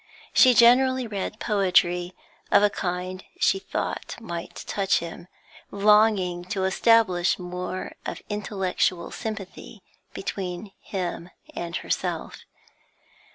She generally read poetry of a kind she thought might touch him, longing to establish more of intellectual sympathy between him and herself.